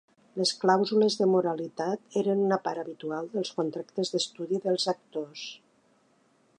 Les clàusules de moralitat eren una part habitual dels contractes d'estudi dels actors.